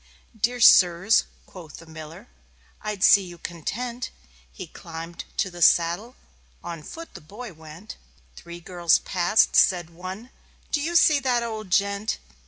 "Dear Sirs," quoth the Miller, "I'd see you content." He climbed to the saddle; on foot the boy went... Three girls passed. Said one: "Do you see that old Gent?